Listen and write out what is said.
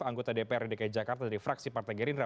anggota dprdk jakarta dari fraksi partai gerindra